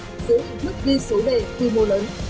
giữa hình thức ghi số đề khi mô lớn